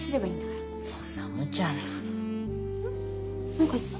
何か言った？